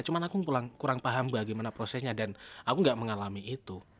cuma aku kurang paham bagaimana prosesnya dan aku nggak mengalami itu